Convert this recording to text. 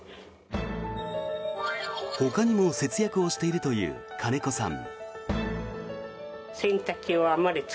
ほかにも節約をしているという金子さん。